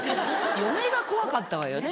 嫁が怖かったわよね。